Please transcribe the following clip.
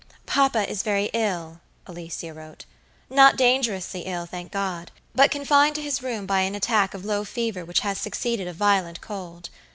"Papa is very ill," Alicia wrote; "not dangerously ill, thank God; but confined to his room by an attack of low fever which has succeeded a violent cold.